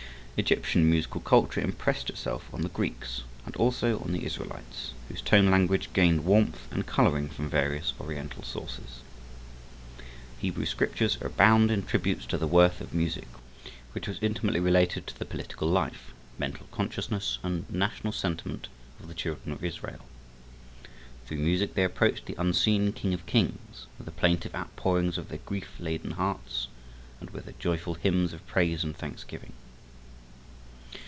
Egyptian musical culture impressed itself on the Greeks, and also on the Israelites, whose tone language gained warmth and coloring from various Oriental sources. Hebrew scriptures abound in tributes to the worth of music which was intimately related to the political life, mental consciousness and national sentiment of the Children of Israel. Through music they approached the unseen King of kings with the plaintive outpourings of their grief laden hearts and with their joyful hymns of praise and thanksgiving.